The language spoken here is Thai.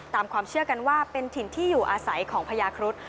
ตามความเชื่อกันว่าเป็นถิ่นที่อยู่อาศัยของพญาครุฑ